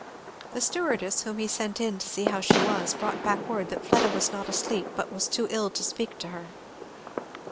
The stewardess, whom he sent in to see how she was, brought back word that Fleda was not asleep but was too ill to speak to her.